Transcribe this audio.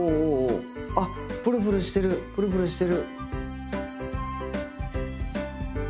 あっプルプルしてるプルプルしてる。